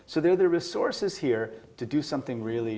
bergabung dalam ekonomi digital